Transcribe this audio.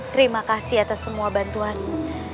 terima kasih atas semua bantuanmu